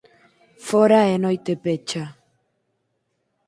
Fóra é noite pecha.